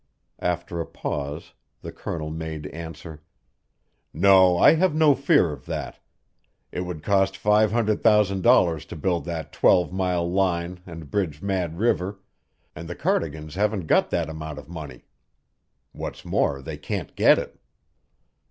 After a pause the Colonel made answer: "No, I have no fear of that. It would cost five hundred thousand dollars to build that twelve mile line and bridge Mad River, and the Cardigans haven't got that amount of money. What's more, they can't get it."